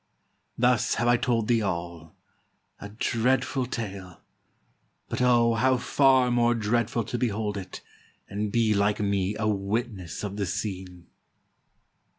Thus have I told thee all; a dreadful tale! But, O! how far more dreadful to behold it. And be, like me, a witness of the scene!